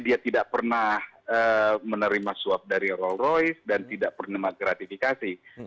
dia tidak pernah menerima suap dari rolls royce dan tidak pernah gratifikasi